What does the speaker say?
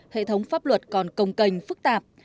hệ thống pháp luật còn công cành phức tạp